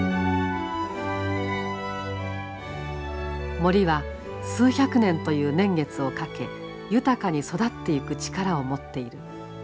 森は数百年という年月をかけ豊かに育っていく力を持っている。